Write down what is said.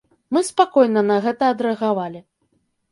Мы спакойна на гэта адрэагавалі.